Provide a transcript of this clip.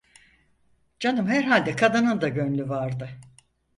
Canım herhalde kadının da gönlü vardı.